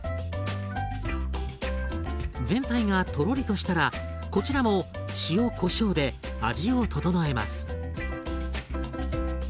全体がとろりとしたらこちらも塩こしょうで味を調えます。